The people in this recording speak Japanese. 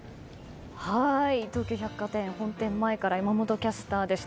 東急百貨店本店前から山本キャスターでした。